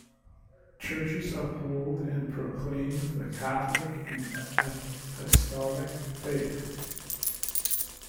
Churches uphold and proclaim the Catholic and Apostolic faith.